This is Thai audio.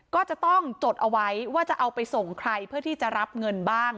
ก็จะต้องจดเอาไว้ว่าจะเอาไปส่งใครเพื่อที่จะรับเงินบ้าง